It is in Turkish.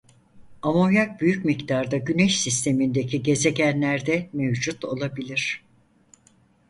Amonyak büyük miktarda Güneş Sistemindeki Gezegenlerde mevcut olabilir.